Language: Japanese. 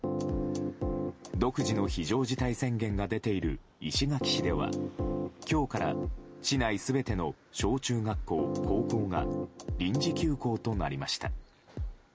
独自の非常事態宣言が出ている石垣市では今日から市内全ての小中学校、高校が臨時休校となりました。